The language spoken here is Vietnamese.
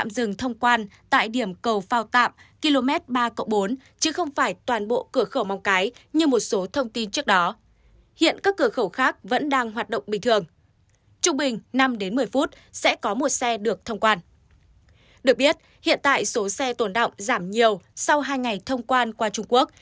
được biết hiện tại số xe tồn đọng giảm nhiều sau hai ngày thông quan qua trung quốc